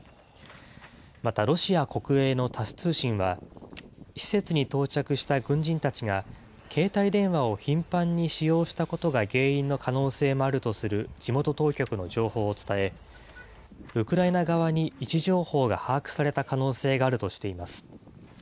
またロシア国営のタス通信は、施設に到着した軍人たちが、携帯電話を頻繁に使用したことが原因の可能性もあるとする地元当局の情報を伝え、ウクライナ側に位置情報が把握された可能性があるとしています。